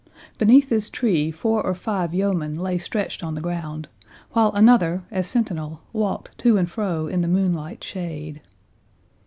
Beneath this tree four or five yeomen lay stretched on the ground, while another, as sentinel, walked to and fro in the moonlight shade.